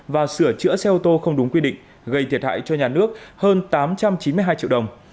và sửa chữa xe ô tô không đúng quy định gây thiệt hại cho nhà nước hơn tám trăm chín mươi hai triệu đồng